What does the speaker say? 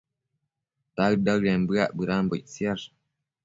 daëd-daëden bëac bedambo ictsiash